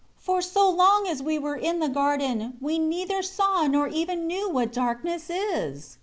9 For so long as we were in the garden, we neither saw nor even knew what darkness is.